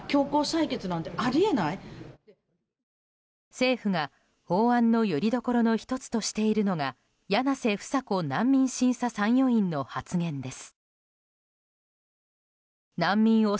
政府が法案のよりどころの１つとしているのが柳瀬房子難民審査参与員の発言です。